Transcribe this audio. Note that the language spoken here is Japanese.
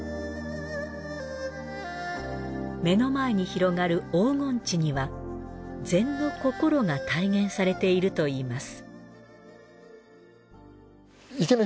目の前に広がる黄金池には禅の心が体現されているといいます。